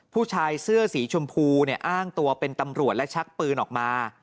ผู้ชายเสื้อสีชมพูเนี่ยอ้างตัวเป็นตำรวจและชักปืนออกมา